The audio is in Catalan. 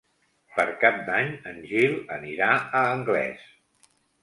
Per Cap d'Any en Gil anirà a Anglès.